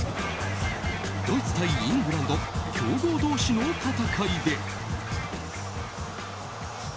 ドイツ対イングランド強豪同士の戦いで。